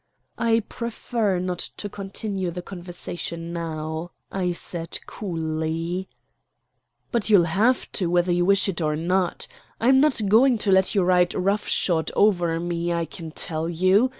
"I prefer not to continue the conversation now," I said coolly. "But you'll have to, whether you wish it or not. I'm not going to let you ride roughshod over me, I can tell you.